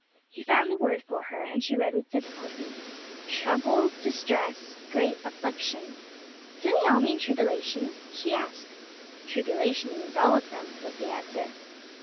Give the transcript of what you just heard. He found the word for her, and she read with difficulty, 'Trouble, distress, great affliction.' 'Do they all mean tribulation?' she asked. 'Tribulation means all of them,' was the answer.